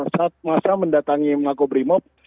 saat masa mendatangi mengaku primot